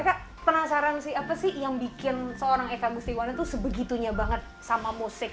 eka penasaran sih apa sih yang bikin seorang eka gustiwan itu sebegitunya banget sama musik